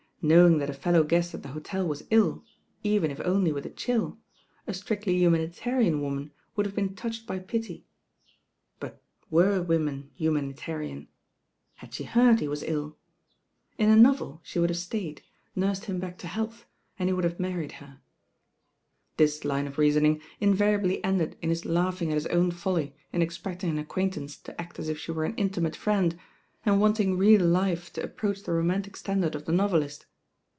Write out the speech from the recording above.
Knowing that a fcUow guest at the hotel was Ul, even if only with a chill, a stoctly humanitarian woman would have been toudied by pity; but were women humanitarian? Had she heard he was ill? In a novel she would have stayed, nursed him back to health, and he would have married her. 08 THQ BAm GIRL ii This line of reasoning invariably ended in his laughing at his own folly in expecting an acquaint ance to act as if she were an intimate friend, and wanting real life to approach the romantic standard of the novelist.